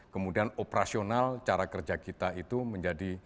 kemudian operasional cara kerja kita itu menjadi